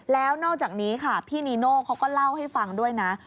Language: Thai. แล้วนอกจากนี้ค่ะพี่นีโน่เขาก็เล่าให้ฟังด้วยนะ